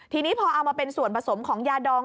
ทีนี้พอเอามาเป็นส่วนผสมของยาดอง